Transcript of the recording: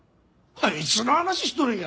いつの話しとるんや！